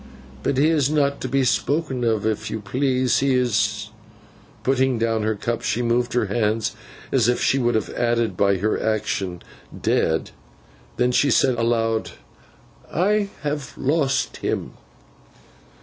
But he is not to be spoken of if you please. He is—' Putting down her cup, she moved her hands as if she would have added, by her action, 'dead!' Then she said aloud, 'I have lost him.